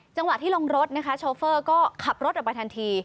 จังหวะที่ลงรถนะคะโชเฟอร์ก็ขับรถออกไปทันที